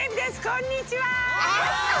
こんにちは！